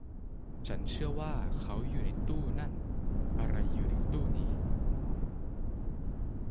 ฉันเชื่อว่าเขาอยู่ในตู้นั่น อะไรอยู่ในตู้นี้